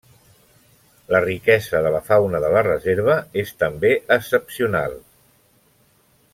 La riquesa de la fauna de la reserva és també excepcional.